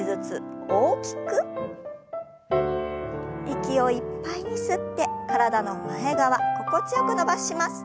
息をいっぱいに吸って体の前側心地よく伸ばします。